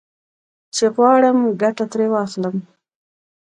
چې غواړم ګټه ترې واخلم.